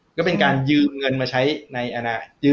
ก็เป็นการยืมเงินมาใช้ในอนาคต